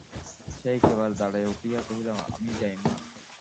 সে একেবারে দাঁড়াইয়া উঠিয়া কহিল, আমি যাই মা!